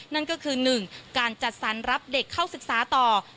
นั่นก็คือ๑การจัดสรรรับเด็กเข้าศึกษาต่อ